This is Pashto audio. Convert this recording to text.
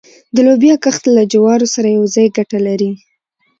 د لوبیا کښت له جوارو سره یوځای ګټه لري؟